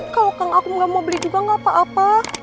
kalau kang aku gak mau beli juga nggak apa apa